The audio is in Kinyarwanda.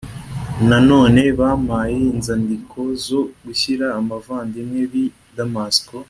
nanone bampaye inzandiko zo gushyira abavandimwe b’i damasiko